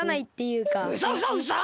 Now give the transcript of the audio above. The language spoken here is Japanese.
うそうそうそ！